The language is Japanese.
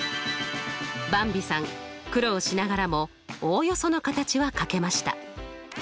ばんびさん苦労しながらもおおよその形はかけました。